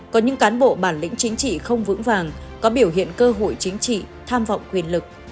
có những cán bộ bản lĩnh chính trị không vững vàng có biểu hiện cơ hội chính trị tham vọng quyền lực